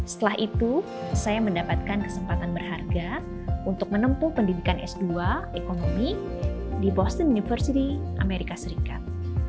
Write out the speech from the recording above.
setelah itu saya mendapatkan kesempatan berharga untuk menempuh pendidikan s dua ekonomi di boston university amerika serikat